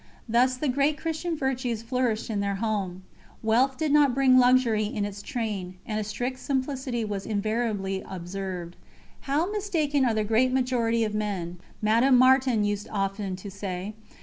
Thus the great Christian virtues flourished in their home. Wealth did not bring luxury in its train, and a strict simplicity was invariably observed. "How mistaken are the great majority of men!" Madame Martin used often to say.